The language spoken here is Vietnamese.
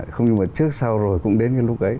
không nhưng mà trước sau rồi cũng đến cái lúc ấy